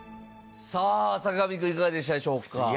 さあ坂上くんいかがでしたでしょうか。